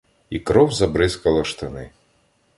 І кров забризкала штани.